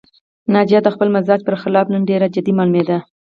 ناجیه د خپل مزاج پر خلاف نن ډېره جدي معلومېده